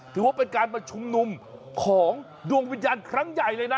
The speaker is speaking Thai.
ถือว่าเป็นการมาชุมนุมของดวงวิญญาณครั้งใหญ่เลยนะ